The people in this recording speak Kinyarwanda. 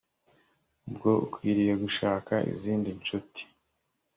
ubwo ukwiriye gushaka izindi ncuti